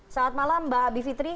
selamat malam mbak bivitri